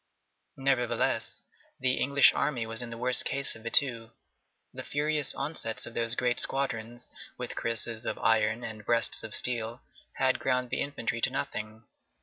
Nevertheless, the English army was in the worse case of the two. The furious onsets of those great squadrons with cuirasses of iron and breasts of steel had ground the infantry to nothing.